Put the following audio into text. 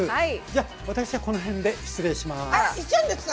じゃ私はこの辺で失礼します。